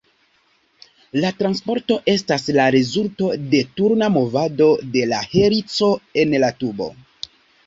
La transporto estas la rezulto de turna movado de la helico en la tubo.